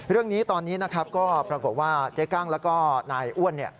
เรื่องนี้ตอนนี้นะครับก็ปรากฏว่าเจ๊กั้งแล้วก็นายอ้วนเนี่ย